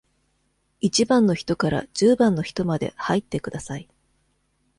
一番の人から十番の人まで入ってください。